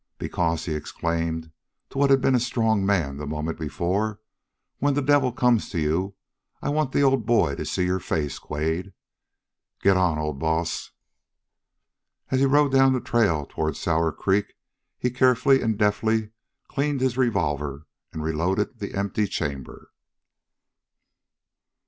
"Because," he explained to what had been a strong man the moment before, "when the devil comes to you, I want the old boy to see your face, Quade! Git on, old boss!" As he rode down the trail toward Sour Creek he carefully and deftly cleaned his revolver and reloaded the empty chamber.